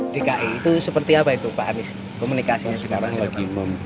dki itu seperti apa itu pak arief komunikasinya gimana